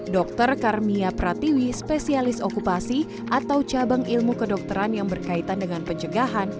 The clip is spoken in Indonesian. dr karmia pratiwi spesialis okupasi atau cabang ilmu kedokteran yang berkaitan dengan pencegahan